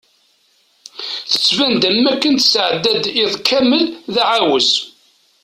Tettban-d am wakken tesɛedda-d iḍ kamel d aɛawez.